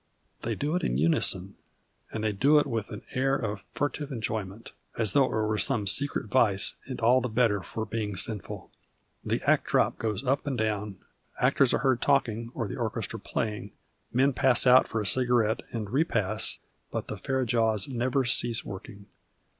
They do it in unison, and they do it with an air of furtive enjoyment, as though it were some secret vice and all the better for being sinful. The act drop goes up and down, actors arc heard talking or the orchestra playing, men pass out for a cigarette and repass, but the fair jaws never cease working.